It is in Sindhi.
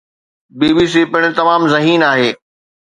بي بي سي پڻ تمام ذهين آهي